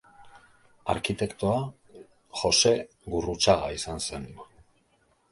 Arkitektoa Jose Gurrutxaga izan zen.